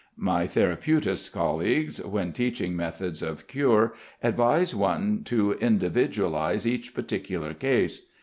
My therapeutist colleagues, when teaching methods of cure, advise one "to individualise each particular case."